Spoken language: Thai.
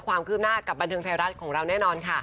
ความคืบหน้ากับบันเทิงไทยรัฐของเราแน่นอนค่ะ